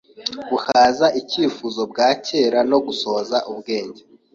buhaza icyifuzo bwa kera no gusohoza ubwenge.